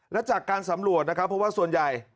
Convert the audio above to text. และจากการสำรวจนะครับเพราะว่าส่วนใหญ่